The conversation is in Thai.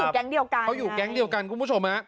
อ๋อเขาอยู่แก๊งเดียวกันคุณผู้ชมนะ